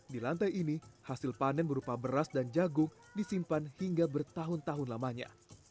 di lantai ini hasil panen berupa beras dan jagung disimpan hingga bertahun tahun lamanya